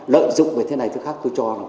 lợi dụng về thế này thứ khác tôi cho là